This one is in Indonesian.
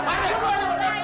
pak rt pak rt